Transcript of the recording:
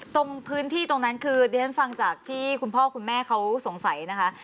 ตรงพื้นที่ตรงนั้นคือดิฉันฟังจากที่คุณพ่อคุณแม่เขาสงสัยนะคะ